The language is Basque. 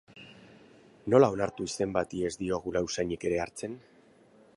Nola onartu izen bati ez diogula usainik ere hartzen?